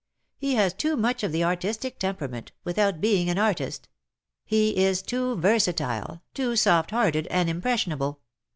He has too much of the artistic temperament, without being an artist — he is too versatile, too soft hearted and impressionable.